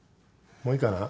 もういいかな？